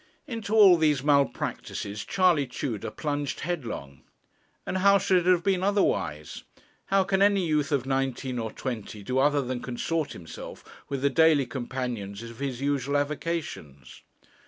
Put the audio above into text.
Into all these malpractices Charley Tudor plunged headlong. And how should it have been otherwise? How can any youth of nineteen or twenty do other than consort himself with the daily companions of his usual avocations?